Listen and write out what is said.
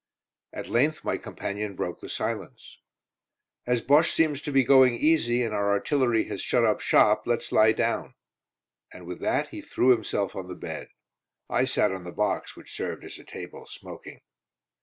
At length my companion broke the silence. "As Bosche seems to be going easy, and our artillery has shut up shop, let's lie down," and with that he threw himself on the bed. I sat on the box, which served as a table, smoking.